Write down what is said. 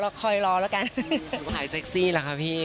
รอรอคอยรอแล้วกันอืมหายเซ็กซี่แล้วค่ะพี่